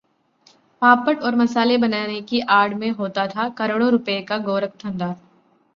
पापड़ और मसाले बनाने की आड़ में होता था करोड़ों रुपये का 'गोरखधंधा'